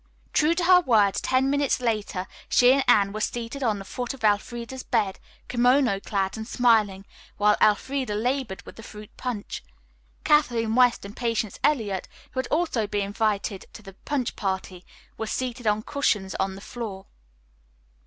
True to her word, ten minutes later she and Anne were seated on the foot of Elfreda's bed, kimono clad and smiling, while Elfreda labored with the fruit punch. Kathleen West and Patience Eliot, who had also been invited to the punch party, were seated on cushions on the floor.